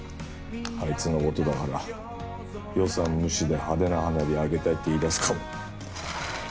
あいつの事だから予算無視で派手な花火上げたいって言い出すかも。